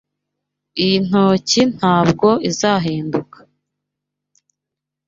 Iyi ntoki ntabwo izahinduka.